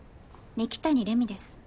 二木谷レミです。